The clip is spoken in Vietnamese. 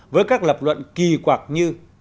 với các lập luận kỳ quạc như